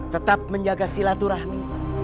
tetap menjaga silaturahmi